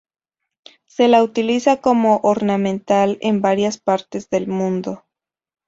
Se la utiliza como ornamental en varias partes del mundo.